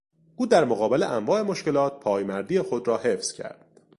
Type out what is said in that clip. او در مقابل انواع مشکلات پایمردی خود را حفظ کرد.